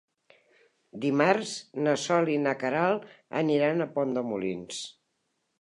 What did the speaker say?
Dimarts na Sol i na Queralt aniran a Pont de Molins.